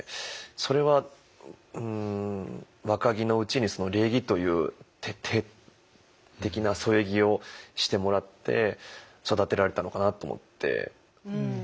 それは若木のうちに礼儀という徹底的な添え木をしてもらって育てられたのかなと思って。